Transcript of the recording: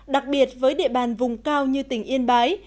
đặc biệt với địa bàn vùng cao như tỉnh yên bái